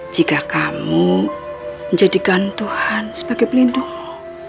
jika kamu menjadikan tuhan sebagai pelindung